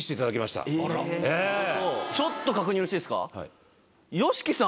ちょっと確認よろしいですか？